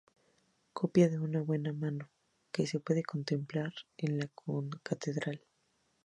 Copia de muy buena mano que se puede contemplar en la concatedral.